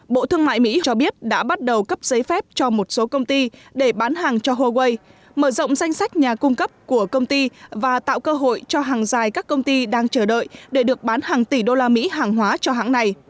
bộ thương mại mỹ cho biết đã bắt đầu cấp giấy phép cho một số công ty để bán hàng cho huawei mở rộng danh sách nhà cung cấp của công ty và tạo cơ hội cho hàng dài các công ty đang chờ đợi để được bán hàng tỷ đô la mỹ hàng hóa cho hãng này